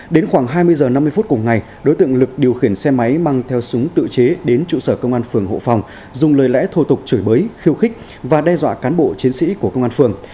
đến khoảng hai mươi h năm mươi phút cùng ngày đối tượng lực điều khiển xe máy mang theo súng tự chế đến trụ sở công an phường hộ phòng dùng lời lẽ thô tục chửi bới khiêu khích và đe dọa cán bộ chiến sĩ của công an phường